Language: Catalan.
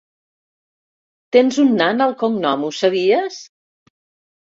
Tens un nan al cognom, ho sabies?